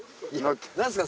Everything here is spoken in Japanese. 何ですか